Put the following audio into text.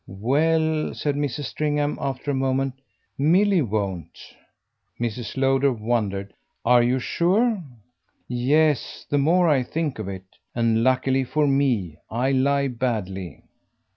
"Well," said Mrs. Stringham after a moment, "Milly won't." Mrs. Lowder wondered. "Are you sure?" "Yes, the more I think of it. And luckily for ME. I lie badly."